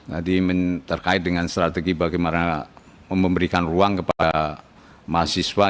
tadi terkait dengan strategi bagaimana memberikan ruang kepada mahasiswa